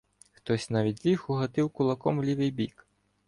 Хтось навідліг угатив кулаком у лівий бік.